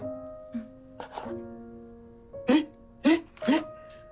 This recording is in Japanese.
うんえっえっえっ！